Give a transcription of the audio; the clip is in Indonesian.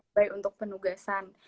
nah itu adalah sp untuk penugasan